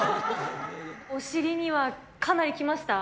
お尻にはかなりきました？